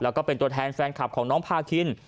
แล้วก็เป็นตัวแทนแฟนคลับของน้องพาคิน